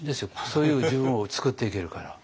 そういう自分を作っていけるから。